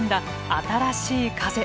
新しい風。